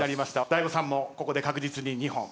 大悟さんもここで確実に２本。